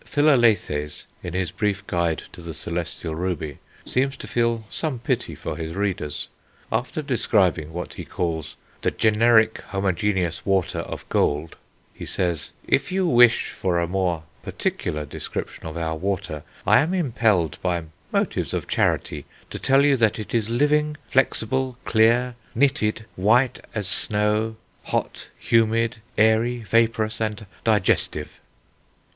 Philalethes, in his Brief Guide to the Celestial Ruby, seems to feel some pity for his readers; after describing what he calls "the generic homogeneous water of gold," he says: "If you wish for a more particular description of our water, I am impelled by motives of charity to tell you that it is living, flexible, clear, nitid, white as snow, hot, humid, airy, vaporous, and digestive."